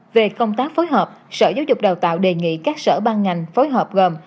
về công tác phối hợp sở giáo dục đào tạo đề nghị các sở ban ngành phối hợp gồm